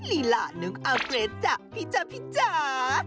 ลีหล่านึงอัลเกรดจ่ะพิจ่าพิจ่า